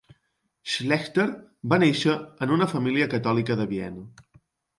Schlechter va néixer en una família catòlica de Viena.